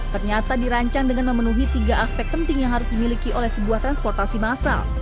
ternyata dirancang dengan memenuhi tiga aspek penting yang harus dimiliki oleh sebuah transportasi massal